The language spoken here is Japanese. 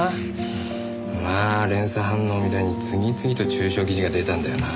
まあ連鎖反応みたいに次々と中傷記事が出たんだよな。